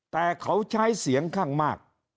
แต่เขาใช้เสียงข้างมาก